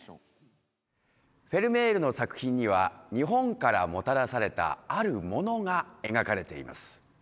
フェルメールの作品には日本からもたらされたあるものが描かれています